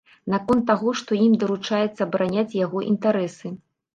Наконт таго, што ім даручаецца абараняць яго інтарэсы.